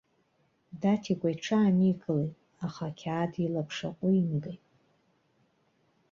Даҭикәа иҽааникылеит, аха ақьаад илаԥш аҟәимгеит.